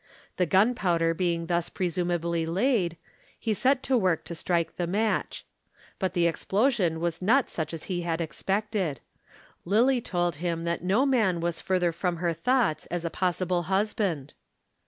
The gunpowder being thus presumably laid, he set to work to strike the match. But the explosion was not such as he expected. Lillie told him that no man was further from her thoughts as a possible husband.